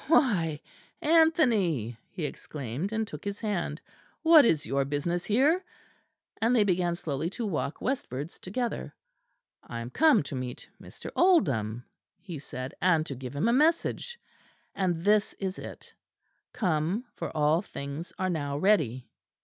"Why Anthony!" he exclaimed, and took his hand, "what is your business here?" And they began slowly to walk westwards together. "I am come to meet Mr. Oldham," he said, "and to give him a message; and this is it, 'Come, for all things are now ready!'"